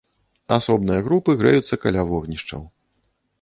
Асобныя групы грэюцца каля вогнішчаў.